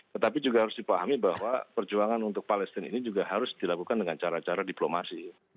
tetapi juga harus dipahami bahwa perjuangan untuk palestina ini juga harus dilakukan dengan cara cara diplomasi